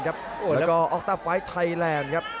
แล้วก็ออกต้าไฟล์ไทยแลนด์ครับ